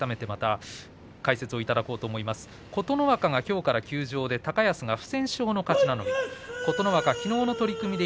琴ノ若がきょうから休場で高安は不戦勝の勝ち名乗りです。